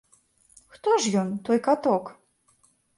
Хто ж ён, той каток?